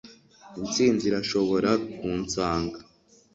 intsinzi irashobora kunsanga